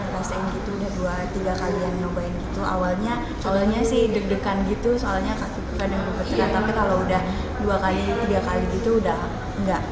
kami juga dua tiga kali yang mencoba awalnya sih deg degan gitu soalnya kaki kadang berputar tapi kalau udah dua kali tiga kali gitu udah enggak